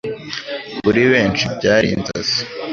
Kuri benshi, byari inzozi.